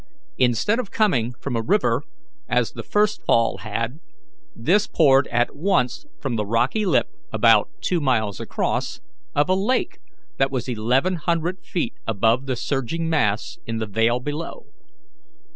Instead of coming from a river, as the first fall had, this poured at once from the rocky lip, about two miles across, of a lake that was eleven hundred feet above the surging mass in the vale below.